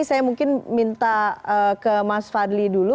saya mungkin minta ke mas fadli dulu